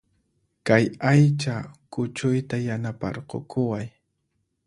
Kay aycha kuchuyta yanaparqukuway